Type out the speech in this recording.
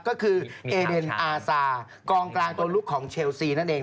ก็คือเอเดนอาซากองกลางตัวลุกของเชลซีนั่นเอง